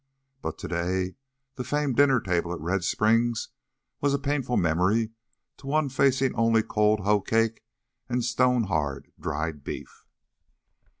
But today the famed dinner table at Red Springs was a painful memory to one facing only cold hoecake and stone hard dried beef.